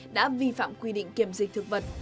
đã vi phạm quy định kiểm dịch thực vật